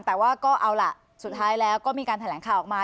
แต่ว่าก็เอาล่ะสุดท้ายแล้วก็มีการแถลงข่าวออกมา